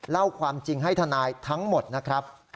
เล่าความจริงให้ทนายทั้งหมดนะครับ